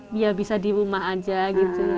biar bisa di rumah aja gitu